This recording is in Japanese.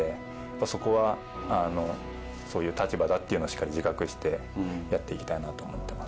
そこは、そういう立場だとしっかり自覚してやっていきたいなと思っています。